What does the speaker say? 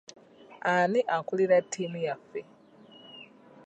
Ani akulira ttiimu yaffe?